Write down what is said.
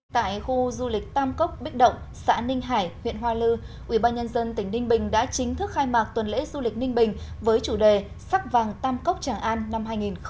tại khu du lịch tam cốc bích động xã ninh hải huyện hoa lư ubnd tỉnh ninh bình đã chính thức khai mạc tuần lễ du lịch ninh bình với chủ đề sắc vàng tam cốc tràng an năm hai nghìn một mươi chín